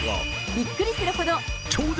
びっくりするほど。